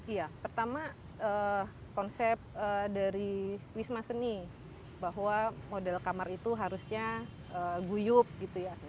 iya pertama konsep dari wisma seni bahwa model kamar itu harusnya guyup gitu ya